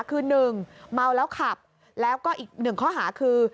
คือ๑เมาแล้วขับแล้วก็อีกหนึ่งข้อหาคือ